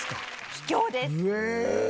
秘境です。